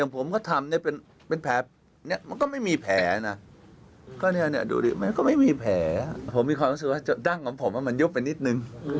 ผมมีความรู้สึกว่าจดดั้งของผมมันยุบไปนิดนึง